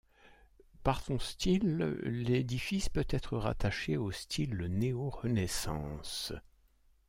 Par son style, l'édifice peut être rattaché au style néo-Renaissance.